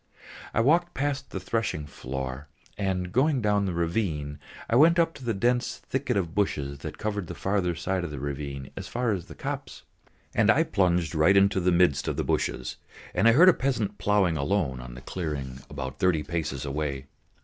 I walked past the threshing floor and, going down the ravine, I went up to the dense thicket of bushes that covered the further side of the ravine as far as the copse. And I plunged right into the midst of the bushes, and heard a peasant ploughing alone on the clearing about thirty paces away.